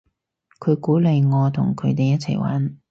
佢鼓勵我同佢哋一齊玩